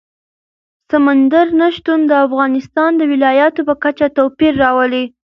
سمندر نه شتون د افغانستان د ولایاتو په کچه توپیر لري.